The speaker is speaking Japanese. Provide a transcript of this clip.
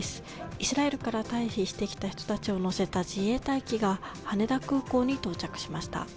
イスラエルから退避してきた人たちを乗せた自衛隊機が羽田空港に到着しました。